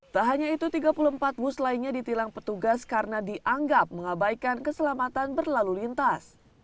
tak hanya itu tiga puluh empat bus lainnya ditilang petugas karena dianggap mengabaikan keselamatan berlalu lintas